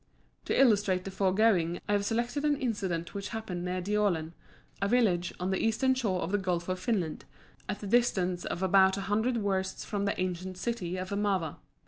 To illustrate the foregoing I have selected an incident which happened near Diolen, a village on the eastern shore of the Gulf of Finland, at the distance of about a hundred wersts from the ancient city of Mawa.